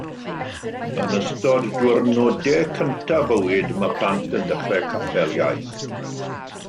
Yn ystod diwrnodau cyntaf bywyd mae plant yn dechrau caffael iaith